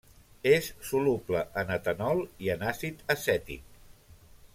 És soluble en etanol i en àcid acètic.